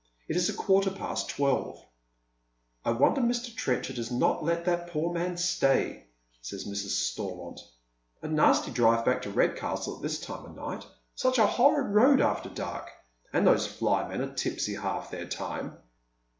It ia a quarter past twelve. " i wonder Mr. Trenchard has not let that poor man stay," says Mrs. Storaiont ;" a nasty drive back to Redcastle at this time of night — such a horrid road after dark, — and those flymen are tipsy half their time."